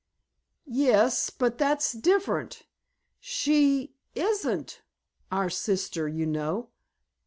"Yes, but that's different. She isn't our sister, you know.